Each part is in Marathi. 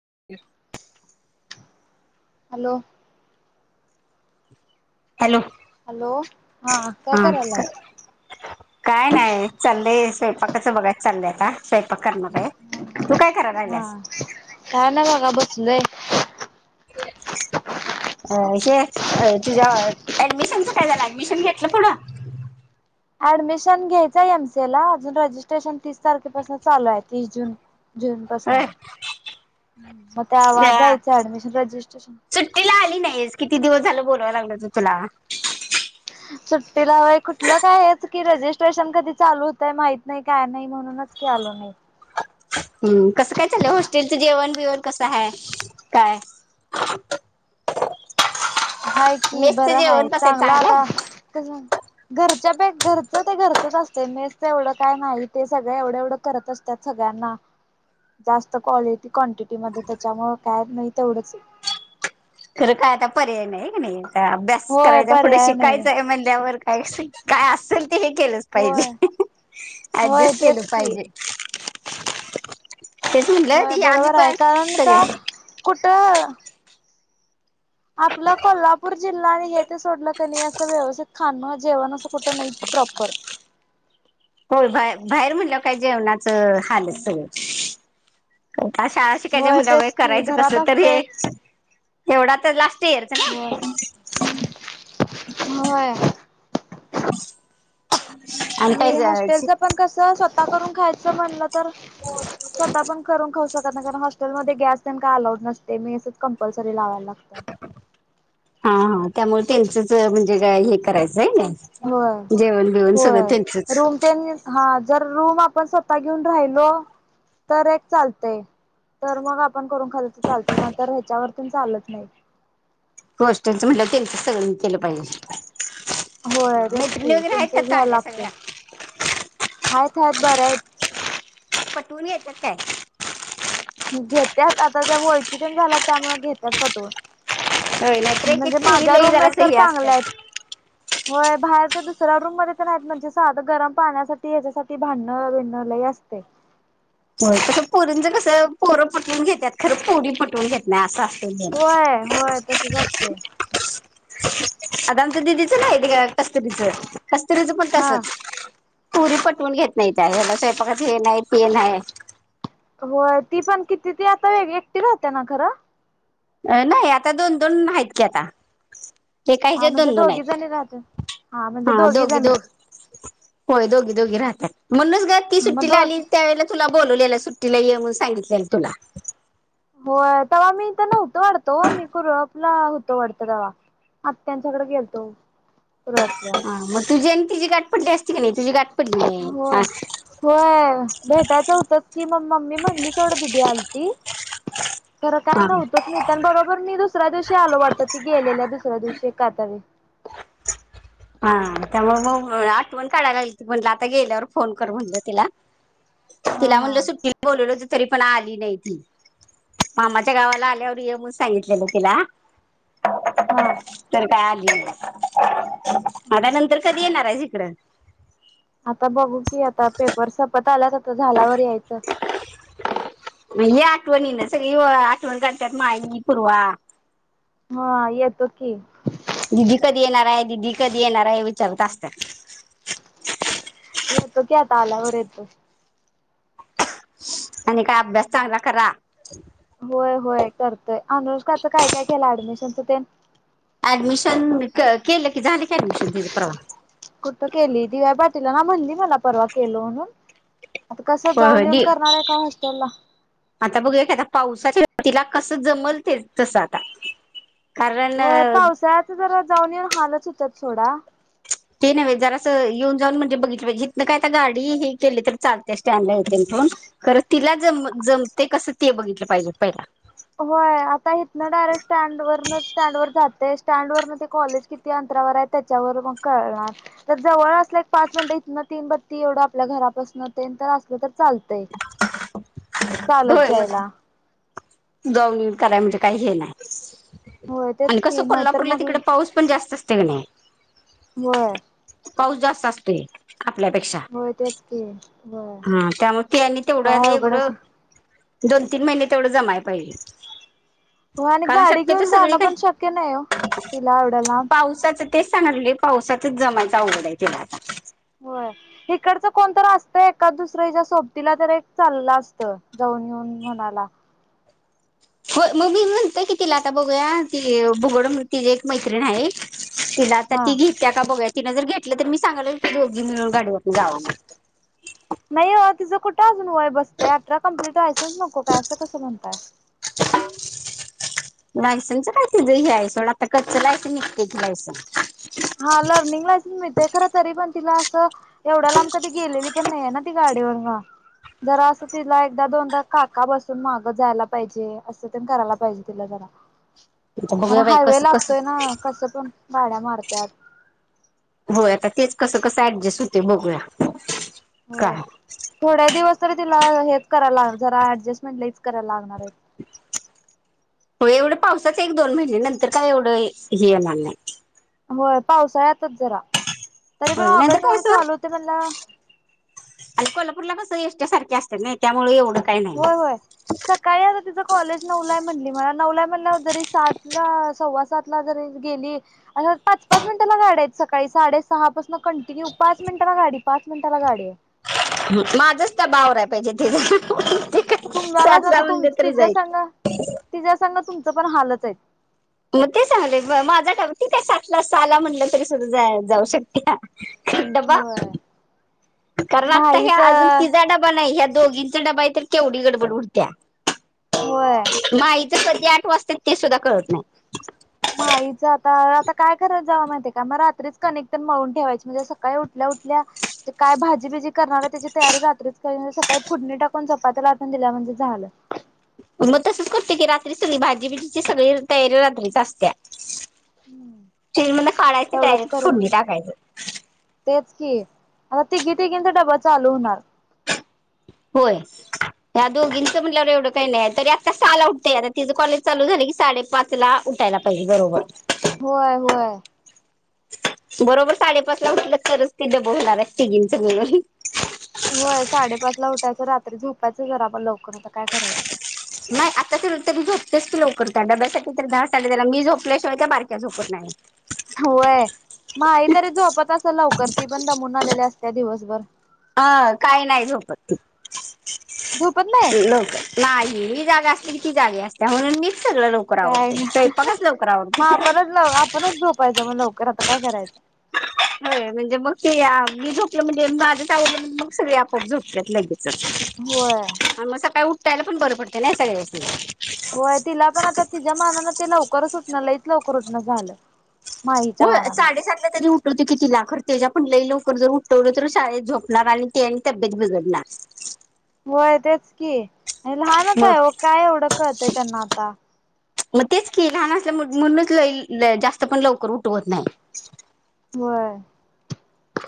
[unintelligible] हॅलो. हॅलो हॅलो हा काय ह. करायलाय? काय नाही चाललेय स्वयंपाकाचं बघाय चाललंय आता स्वयंपाक करणार आहे. तू काय कराय लागल्यास हो काय नाही बघा बसलोय [inaudible] अ हे तुझ्या ऍडमिशनच काय झालं ऍडमिशन घेतलं पुढे [inaudible] ऍडमिशन घ्यायचय एमसीए ला अजून रजिस्ट्रेशन तीस तारखेपासून चालू आहे तीस जून जून पासून ह रजिस्ट्रेशन सुट्टीला आली नाही किती दिवस झाल बोलाय लागल त तुला सुट्टीला व कुठलं काय आहे की रजिस्ट्रेशन कधी चालू होतय माहत नाही काय नाही म्हणूनच के आलो नाही हम्म कसं काय चाललंय हॉस्टेलच जेवण बिवण कसं आहे काय [inaudible] हा की मेसचं बरं हाय जेवण कसं आहे चांगलं आता आहे घरचं ते घरचंच असते मेसच एवढं काय नाही ते सगळं एवढं एवढं करत असतात सगळ्यांना जास्त क्वालिटी क्वांटिटी म त्याच्यामुळे काय नाही तेवढंच खरं काय आता पर्याय नाही का नाही अभ्यास होय करायचा पुढे पर्याय नाही शिकायचंय मणल्यावर काय काय असेल ते केलंच होय पाहिजे होय ऍडजस्ट केलं तेच की पाहिजे तेच म्हटलं होय ती आम्ही बरोबर आहे पण कारणता सगळे कुठ आपला कोल्हापूर जिल्हा आणि हे ते सोडलं क नाही असं व्यवस्थित खा जेवण अस कुठ नाही प्रॉपर होय बाहेर.. म्हणाल्यावर काय? जेवणाच हालत सगळ. आता शाळा शिकायच होय म्हण बई तेच की करायचं कस? घरात तर असते हे एवढा तर ला होय.. होय. काय आणि हॉस्टेलच हा पण कस स्वतः करून खायच म्हणल तर स्वतः पण करून खाऊ शकत नाही. कारण हॉस्टेलमध्ये गॅस तेन काय अलाउड नसतय? मेसच कंपल्सरी लावायला लाग हा.. हा. त्यामुळे त्यांचच म्हणजे हे करायच? होय जेवण बिवण सगळ होय त्यांचच. रूम ते हा जर रूम आपण स्वतः घेऊन राहिलो? तर एक चालतय. तर मग आपण करून खाली त चालतय. नाय तर ह्याच्यावर चालत नाही. गोष्टीच म्हटल त्यांच सहन केल पाहिजे? होय.. तेच मैत्रिणी की वगैरे आहेत त्या त्यांचच घ्यावा चांगल्या लागतय? सगळ्या हायत हाय बर्‍यायत. पटवून घेत्यात काय? घेत्याच आता त्या ओळखीच्याच झाल्यात. त्यामुळ त्या घेत्यात पटवून. होय नाहीतर एक एक म्हणजे.. पोरी माझ्या लई रूममेट जरासं तर हे चांगल्यायेत. असतात होय.. बाहेर ते दुसऱ्या रूमध्ये तर नाहीत? म्हणजे साधं गरम पाण्यासाठी ह्याच्यासाठी भांडण बिंडन लई असतय? होय.. तस पोरींच कस पोर पटवून घेत्यात. खरं पोरी पटवून घेत नाही अस हो होय होय तसच असतय [unintelligible] आता आमच दिदीच नाही का? कस्तुरीच कस्तुरीच पण हा तसच? पुरी पटवून घेत नाहीत्या. ह्याला स्वयंपाकच हे नाही ते नाही? होय.. ती पण किती त आता एकटी राहते ना खरं? अ.. नाही. आता दोन दोन हायेत की आता. एका हा ह्याच्यात म्हणजे दोन दोन हाय? दोघी जणी राहते हा दोघी दोघ होय.. दोघी दोघी राहत्यात. म्हणूनच ग ती हा मग सुट्टीला आली दोघी त्यावेेळला तुला बोलवलेल सुट्टीला ये. म्हणून सांगितलेय तुला. होय.. तव्हा मी हित नव्हतो वाटत हो? मी कुरू आपला होतो वाटत तव्हा. आत्यांच्याकड गेलतो. कुरपला ह.. मग तुझी अन तिची गाट पडली अस होय.. होय.. भेटायच होतच की मग मी म्हणली सोड दीदी आलती. खरं काय हा नव्हतंच मी पण.. बरोबर मी दुसऱ्या दिवशी आलो वाटत. ती गेलेल्या दुसऱ्या दिवशी काय तरी. हा.. त्यामुळे मग आठवण काढायला लागली ती म्हंटल आता गेल्यावर फोन कर म्हणल तिला हा तिला हा म्हणल सुट्टीला बोलवल होत तरी पण आली नाही ती? मामाच्या गावाला आल्यावर ये मून सांगितलेल तिला. हा तर काय आली नाय? आता हम्म. नंतर कधी येणारये इकड? आता बघू की? आता पेपर सपत आला सारख आता झाल्यावर यायच. आठवणी ना. सगळी आठवणीना काढत्यात माय मी पूर्वा. हा.. येतो की. दीदी कधी येणार हाय? दीदी कधी येणार हाय? विचारत असत्यात. मी येतो की आता आल्यावर येतो. आणि काय अभ्यास चांगला करा. होय.. होय.. करतय. अनुष्काच काय काय केला ऍडमिशनच ते? ऍडमिशन केल की.. झाल की ऍडमिशन तिच परवा कुठ केली? दिव्या बातिला. हा म्हणली मला परवा केल. म्हणून.. आता कसं होय.. होय. जाऊन येऊन लिही. करणार आहे का हॉस्टेलला आता बघा एखाद्या पावसाच्या तिला कसं जमल ते.. तस आता? होय.. कारण पावसाळ्याच जरा जाऊन येऊन हालच होतात सोडा? ते नव्हे. जरास येऊन जाऊन म्हणजे बघितल पाहिजेत. एकमेका गाडी हे केली तर चालते स्टँड ला येते. खरं तिला जम जमते कस? ते बघितल पाहिजे पहिल? होय आता इथनं जाते स्टॅन्ड वर ते कॉलेज किती अंतरावर आहे त्याच्यावर मग कळणार तर जवळ असल की पाच मिनट इथ- तीन बत्ती एवढं आपल्या घरापासून तेन तर असलं तर चालतयं चालत होय मग जायला. जाऊन येऊन करायं म्हणजे काही हे नाही. होय आणि तेच कसं की नाहीतर कोल्हापूरला मग तिकडे पाऊस पण जास्त असतं. नाही होय पाऊस जास्त असतोयं. होय तेच की. होय हा त्यामुळे ते आणि तेवढं काय अवघडच एवढं. आहे. दोन तीन महिने तेवढं जमायं पाहिजे. हो आणि कारण गाडी शक्यतो घेऊन सगळी जाणं काय पण शक्य नाही हो तिला एवढ्या लांब. पावसाचं तेच सांगलेली पावसातच जमायचं आवघड आहे तिला आता. होय इकडचं कोण तर असत एकाद दुसर हिच्या सोबतीला तरी एक चाललं असत जाऊन येऊन. म्हणाला. हो मग मी म्हणतेय की तिला आता बघूया ती भुगड तिझी एक मैत्रिण आहे. तिला तर हा ती घेत्या का बघुयात. तिन जर घेतलं तर मी सांगालोय दोघी मिळून गाडीवरून जावा म्हणून नाही ओ तिझं कुठं. वय बसतंय आठरा कंप्लीट लायन्स नको काय असं कसं म्हणताय. लायसनच काय ती लय आहे सोडा आता कच्च लायसन निघते की लायसनस हा लर्निंग लायसन्स मिळतयं खरं तरी पण तिला असं. एवढ्या लांब कधी गेलेली पण नाहीे ना ती गाडीवर जरा असं तिला एकदा दोनदा काका बसून माग जायला पाहिजे असं करायला पाहिजे तिला जरा. आता अन बघूया बाई हायवे कसं कसं लागतोय ना कसं पण गाड्या मारत्यात. होय आता तेच कसं कसं ऍडजस्ट होते बघूया. हो काय थोड्या दिवस तरी तिला हेच करायला लागणार जरा ऍडजस्टमेंट लइच करायला लागणार आहे. हो एवढं पावसाच एक दोन महिने नंतर काय एवढं हे येणार नाही. होय, पावसाळ्यातच जरा. तरी पण हो नाहीं तर ऑगस्ट मध्ये चालू होते म्हणला कसं आणि कोल्हापूरला कसं सारख्या असतात नाही त्यामुळे एवढं. काय होय नाही होय सकाळी आता तिचं. कॉलेज नऊला म्हली मगं नऊला म्हणल्यावर जरी सातला सव्वा सातला जरी गेली. पाच पाच मिनिटाला गाड्या आहेत सकाळी साडेसहा पासून कंटिन्यू पाच मिनिटाला गाडी पाच मिनिटाला गाडी आहे. माझं च डबा आवरायला पाहिजे तेच. तुम्हालाच आता तर तिच्या जाईल संग तिच्या संग तुमचं पण हालच आहे. मग ते सांगले माझा [unintelligible] आहे सहाला म्हटलं तरी सुद्धा जाऊ शकते. होय. कारण आत्ता ह्या माहीच अजून तिझा होय डबा नाही ह्या दोघींचा डबा आहे तर केवढी गडबड उडत्या. होय. माईच कधी आठ वाजतात ते सुद्धा कळतं नाही. माहीच आता आता कायं करा. जावा माहिती आहे का मग रात्रीच कणीक तेन मळून ठेवायची म्हणजे सकाळी उठल्या उठल्या काय भाजी बिजी करणार. त्याची जी तयारी रात्रीच सकाळी फुडणी टाकून चपात्या लाटून दिल्या म्हणजे झालं. मगं तसच करते की रात्रीच सगळी भाजी बिजीची सगळी तयारी रात्रीच असत्या. हम्म फ्रिजमधून काढायचं तेवढंच डायरेक्ट फोडणी टाकायचं. क आता तिघी तिघांचा डबा चालू होणारं होय. या दोघींचं म्हटल्यावर एवढं काही नाही तरी आत्ता साहाला उठतेय आता तिचं कॉलेज चालू झालं की साडेपाच ला. उ उठायला पाहिजे बरोबर. होय होय. बरोबर साडेपाच ला उठले तरच ती बवणार आहेत तिघींच ममिळून होय साडेपाच ला उठायचं रात्री झोपायचं जरा आपण लवकर तर काय करायचं. नाही आता तर तरी झोपतेस की लवकर त्या डब्यासाठी तर दहा साडे जला मी झोपल्याशिवाय त्या बारक्या झोपत नाही. होय माही तरी झोपत असेल लवकर दमून आलेल्या असत्या दिवसभर अं काही नाही झोप. झोपत नाही लक नाही जागा असते की जागी असत म्हणून मी काय मग आवरते. आपणच लव आपणच झोपायचं मग लवकर आता काय करायचं. ह. हो म्हणजे मग ते मी झोपलं म्हणजे माझच आवलं मग सगळे आपआप झोपलेत लगेच होय मग सकाळी उठायला पण बरं पडत नाही सगळ्या व होय तिला पण आता तिच्या मानान ते लवकरच उठण लई लवकर उठणं झालं. हो माहीच्या मानानं साडेसात ला तरी कि तिला ख त्याच्या पण लई लवकर जर उठवलं तर शाळेत झोपणार आणि ते आणि तब्येत बिघडणार. होय तेच की आणि लहानच मग आहे व काय एवढं कळतय त्यांना आता मग तेच की लहान असल्या म्हणूनच जास्त पण लवकर उठवत नाही. होय.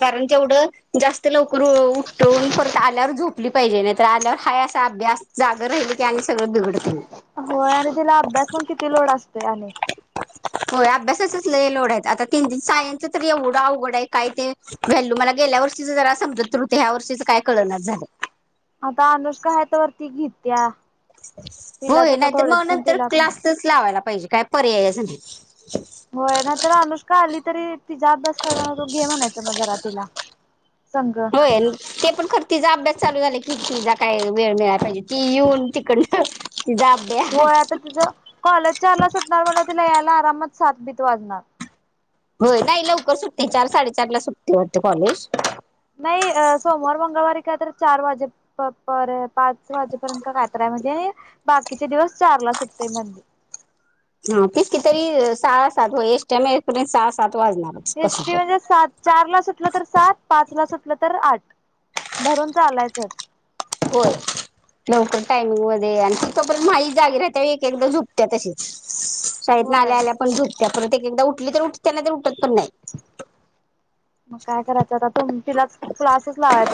कारण तेवढं जास्त लवकर उठवून परत आल्यावर झोपली पाहिजे नाही तर आल्यावर हा अस. अभ्यास जाग राहिले क होय आणि तिला अभ्यास पण किती लोड असतोय आणि होय अभ्यासाचच लई लोड आहेत आता तीन सायन्स तरी एवढा अवघड आहे काय ते व्हॅल्यू मला गेल्या वर्षीच जरा समजत तर ते ह्या वर्षीच काय कळनाच झालं. आता अनुष का ह तर वरती घेत्या. तिलाच होय आता नाहीतर थोड्या मग दिवसांनी नंतर तिला पण क्लासच लावायला पाहिजे काय पर्यायचं नाही. होय ना तर अनुष्का आली तरी तिचा अभ्यास करताना तो घे म्हणायच माझा रातिला. हो ते पण खर तचा अभ्यास चालू झालं कितीि जा काय वेळ मिळा पाहिजे ती येऊन तिकड. होय आता तिचं कॉलेज चारला सुटणार मग तिला यायला आरामात सातबीत वाजणार. होय नाही लवकर सुटते चार साडेचार ला सुटते वाते कॉलेज नाही सोमवार मंगळवारी कायत चार वाजे पाच वाजेपर्यंत कायत. बाकीचे दिवस चारला सुटतय मंदी ह तेच कि तरी सहा सात हो एसटी टाईम पर्यंत साहा सात वाजणारच एसटी कसं म्हणजे पण सात चार ला सुटलं तर सात पाच ला सुटलं लं तर आठ धरून चा आलायचच होर लवकर टायमिंग मध्ये आणि तिथब माई जागी राहते एक एकदा झोपत्या तशीच शाळेत ना होय आल्या आल्या पण झोपते परत एक एकदा उठली तर उठतना तर उठत पण नाही मग काय करायचं आता त तिलाच क्लासच लावायचा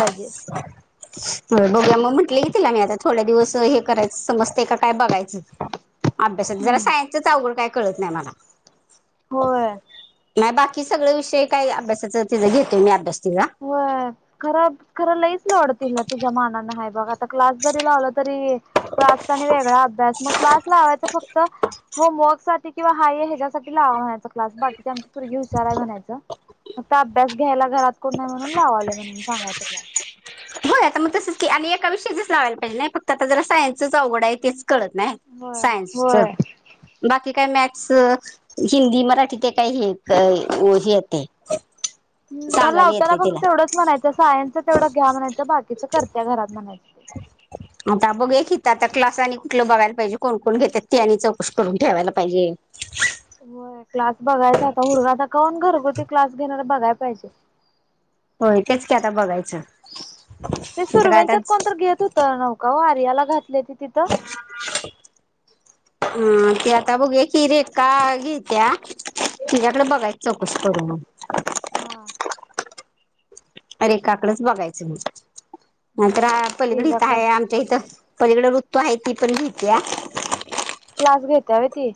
हो बघ्या मग म्हंटले की काही नाही आता थोड्या दिवस हे करायचं समजते काय बघायचं अभ्यासाात जरा सायनसच अवड काय कळत नाही मला होय म बाकी सगळे विषय काय अभ्यासाचं तिं घेतोय मी अभ्यास तिचा हो खरा खरं लईच लोड दिला ना तिच्या मानान ह बघा आता क्लास जरी लावला तरी क्लासचा आणि वेगळा अभ्यास मग क्लास लावायचा फक्त होमवर्क सा किंवा हाय ह्याच्यासाठी क् बाकी आमचीगी हुशार म्हणायच अभ्यास घ्यायला घरात नाही म्हणून लावाले म्हणून सांगायचं क्लास ब आता मग तसंच क आणि एका विषयीच लावायला पाहिजे नाही फक्त आता जरा सायन्सच अवड आहे तेच कळत नाही होय होय सायन्स हिंदी मराठी ते काही हे हे येते हम मला सांगायला लावताना येते फक्त तिला तेवढंच म्हणायचं सायन्सच तेवढं घ्या म्हणायचं बाकीचं करत्या घरात म्हणायचं ह [inaudible] आता बघूया की हिथ आता क्लास आणि कुठलं बघायला पाहिजे कोण कोण घेत्यात ते आणि चौकशी करून ठेवायला पाहिजे ह [inaudible] होय क्लास बघायचा आता हुडगायचा कोण घरगुती क्लास घेणार बघाय पाहिजे होय तेच की आता बघायचं ते तिथं काय आता सुरव्यांच्यात कोण घेत होत नव्हका आर्याला घातले ति तिथं हा ते बघूया की रेखा घेत्या तिच्याकडे बघायच चौकशी करून मग हा रेखाकडेच बघायचं नंतर पलीकड इथं तिच्याकड आहे आमच्या इथं पलीकड ऋतू आहे ती पण घेत्या क्लास घेत्या व्हय ती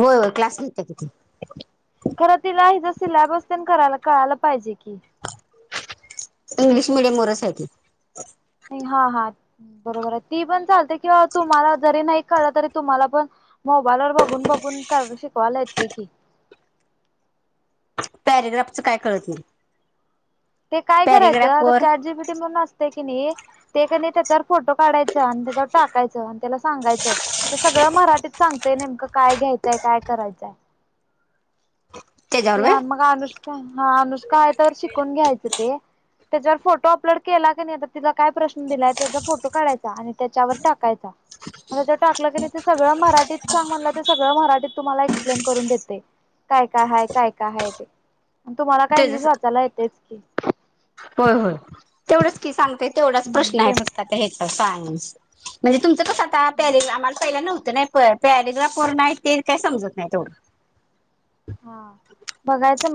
होय होय क्लास घेत्या खरं तिला हिज सिलॅबस तेन करायला कळायला पाहिजे कि इंग्लिश मिडियम वरच आहे ती हा हा बरोबर आहे ती पण चालतंय किंवा तुम्हाला जरी नाही कळ तरी तुम्हाला पण मोबाईल वर बघून बघून शिकवायला येत की पॅरेग्राफच काय कळत नाही ते काय करायचं पॅरेग्राफ आता वर चाटजीपीटी म्हणून असतंय कणी ते कणी त्याच्यावर फोटो काढायच आणि त्याच्यावर टाकायच आणि त्याला सांगायचं सगळं मराठीत सांग ते नेमकं काय घ्यायचंय काय करायचंय त्याच्यावर ते व्हय मग अनुष्का हा अनुष्का आहे तर शिकून घ्यायचं ते त्याच्यावर फोटो अपलोड केला कणी आता तिला काय प्रश्न दिलाय त्याचा फोटो काढायचा आणि त्याच्यावर टाकायचा मग त्याच्यावर टाकलं कणी ते सगळं मराठीत सांग म्हटलं ते सगळं मराठीत तुम्हाला एक्सप्लेन करून देतंय काय काय हाय काय कायआहेय ते तुम्हाला काय इंग्लिश त्याच वाचायला येतयच की होय होय तेवढंच की सांगतेय तेवढाच प्रश्न आहे ते नुसता आता हेच्यात सायन्स म्हणजे तुमचं कसं आता हा आम्हाला पहिला नव्हतं नाही प पॅरेग्रफ वर्ण हाय ते काय समजत नाही तेवढं. हा बघायचं